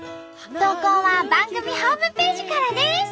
投稿は番組ホームページからです。